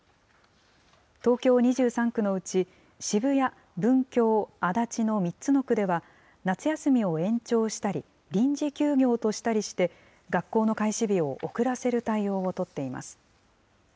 東京２３区のうち、渋谷、文京、足立の３つの区では、夏休みを延長したり、臨時休業としたりして、学校の開始日を遅らせる対応を取っています。